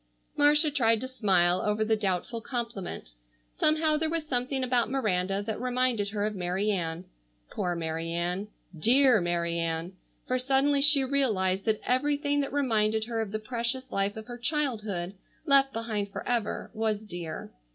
Marcia tried to smile over the doubtful compliment. Somehow there was something about Miranda that reminded her of Mary Ann. Poor Mary Ann! Dear Mary Ann! For suddenly she realized that everything that reminded her of the precious life of her childhood, left behind forever, was dear.